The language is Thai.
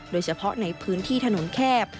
โดยเฉพาะในพื้นที่ถนนแคบ